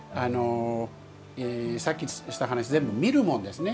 さっきした話全部見るものですね。